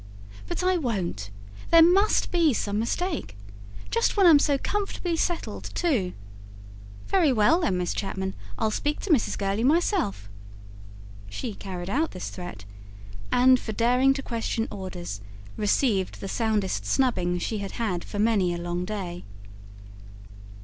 "But I won't! There MUST be some mistake. Just when I'm so comfortably settled, too. Very well, then, Miss Chapman, I'll speak to Mrs. Gurley myself." She carried out this threat, and, for daring to question orders, received the soundest snubbing she had had for many a long day.